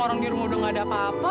orang di rumah udah gak ada apa apa